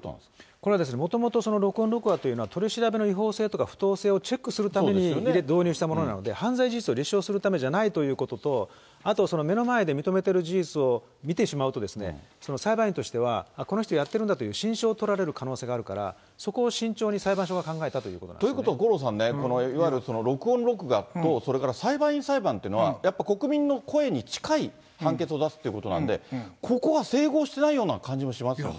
これはですね、もともとその録音・録画っていうのは取り調べの違法性とか、不当性をチェックするために、導入したものなので、犯罪を実証するためじゃないっていうことと、あと、目の前で認めてる事実を見てしまうと、裁判員としてはこの人、やってるんだという心証を取られる可能性があるから、そこを慎重に裁判所が考えたということなんですよね。ということは、五郎さんね、このいわゆる録音・録画と、それから裁判員裁判っていうのは、国民の声に近い判決を出すっていうことなんで、ここが整合してないような感じもしますよね。